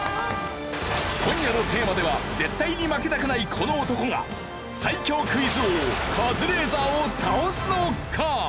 今夜のテーマでは絶対に負けたくないこの男が最強クイズ王カズレーザーを倒すのか？